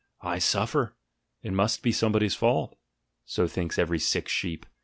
"I suffer: it must be somebody's fault" — so thinks every sick sheep.